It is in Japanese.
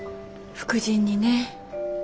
副腎にね。